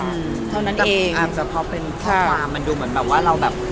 อืมเท่านั้นเองอาจจะเพราะเป็นความค่ะมันดูเหมือนแบบว่าเราแบบเออ